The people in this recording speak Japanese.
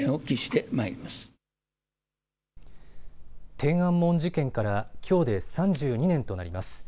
天安門事件からきょうで３２年となります。